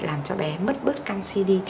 làm cho bé mất bớt canxi đi